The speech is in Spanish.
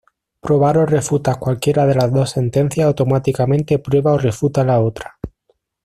Probar o refutar cualquiera de las dos sentencias automáticamente prueba o refuta la otra.